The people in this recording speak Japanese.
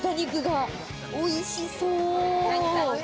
おいしそう。